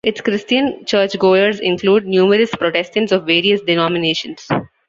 Its Christian churchgoers include numerous Protestants of various denominations.